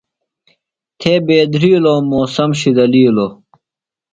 تھے بیدھرِیلوۡ۔ موسم شِدلِیلیۡ۔